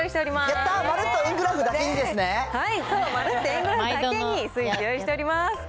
やったー、はい、そう、まるっと円グラフだけに、円スイーツ用意しております。